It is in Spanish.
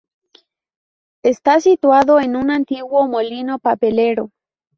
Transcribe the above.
Está situado en un antiguo molino papelero.